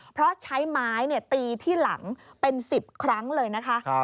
เพราะใช้ไม้ตีที่หลังเป็น๑๐ครั้งเลยนะคะ